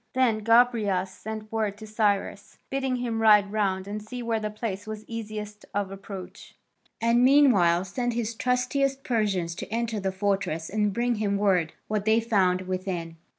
Then Gobryas sent word to Cyrus, bidding him ride round and see where the place was easiest of approach, and meanwhile send his trustiest Persians to enter the fortress and bring him word what they found within.